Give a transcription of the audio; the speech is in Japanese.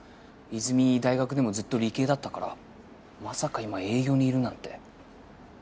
和泉大学でもずっと理系だったからまさか今営業にいるなんて。